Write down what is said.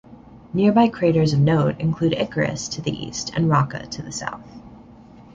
Nearby craters of note include Icarus to the east and Racah to the south.